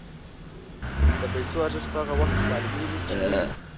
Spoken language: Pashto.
د پیسو ارزښت په هغه وخت کې معلومېږي چې نه وي.